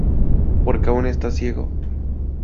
Porque aún esta ciego.